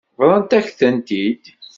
Bḍant-ak-tent-id.